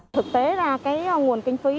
thực tế ra cái nguồn kinh phí